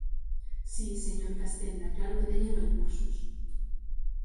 Si, señor Castenda, claro que teñen recursos.